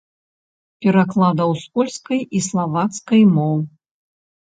Перакладаў з польскай і славацкай моў.